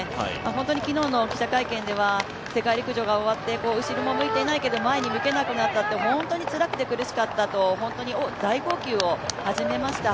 ホントに昨日の記者会見では世界陸上が終わって後ろも向いてないけど、前も向けなくなったと本当につらくて苦しかったと大号泣を始めました。